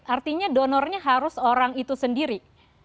artinya donornya harus orang itu sendiri